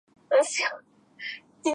スカートかわいい